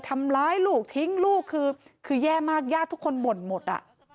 ทำร้ายลูกทิ้งลูกคือแย่มากญาติทุกคนบ่นหมดอ่ะ